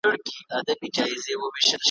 هم کاغذ هم یې قلم ورته پیدا کړ `